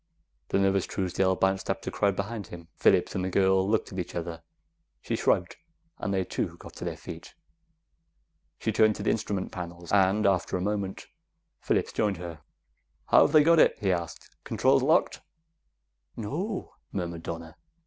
The nervous Truesdale bounced up to crowd behind him. Phillips and the girl looked at each other; she shrugged, and they too got to their feet. She turned to the instrument panels; and after a moment, Phillips joined her. "How have they got it?" he asked. "Controls locked?" "No," murmured Donna.